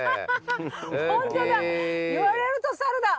ホントだ言われると猿だ。